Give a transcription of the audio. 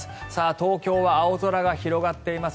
東京は青空が広がっています。